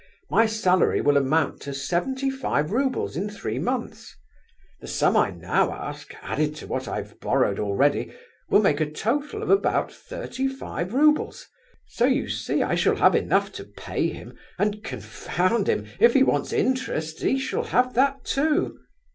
My salary will amount to seventy five roubles in three months. The sum I now ask, added to what I have borrowed already, will make a total of about thirty five roubles, so you see I shall have enough to pay him and confound him! if he wants interest, he shall have that, too!